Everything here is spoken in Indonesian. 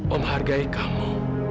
om hargai kamu